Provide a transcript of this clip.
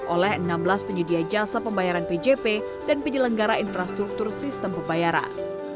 oleh enam belas penyedia jasa pembayaran pjp dan penyelenggara infrastruktur sistem pembayaran